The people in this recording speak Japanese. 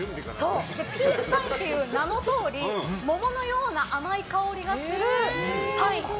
ピーチパインっていう名のとおり桃のような甘い香りがするパイン。